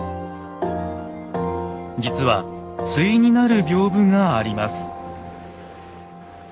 実は対になる屏風があります。